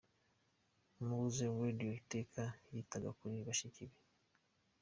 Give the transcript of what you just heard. Mowzey Radio iteka yitaga kuri bashiki be.